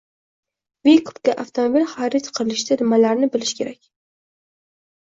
«Vikup»ga avtomobil xarid qilishda nimalarni bilish kerak?